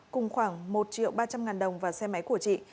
cùng khoảng một triệu ba trăm linh ngàn đồng và xe máy của chị